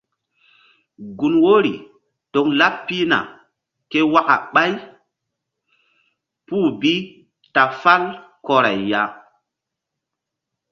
Gun wori toŋ laɓ pihna ké waka ɓày puh bi ta fàl kɔray ya.